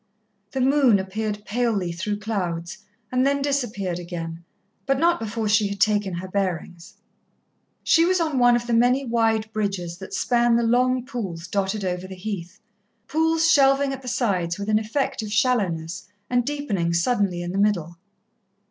The moon appeared palely through clouds and then disappeared again, but not before she had taken her bearings. She was on one of the many wide bridges that span the long pools dotted over the Heath pools shelving at the sides with an effect of shallowness and deepening suddenly in the middle.